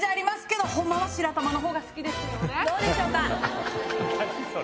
どうでしょうか？